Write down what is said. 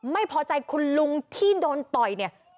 ไม่พอใจคุณลุงที่โดนต่อยเนี่ย